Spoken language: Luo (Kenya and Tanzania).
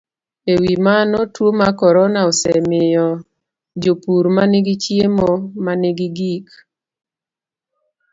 E wi mano, tuo mar corona osemiyo jopur ma nigi chiemo ma nigi gik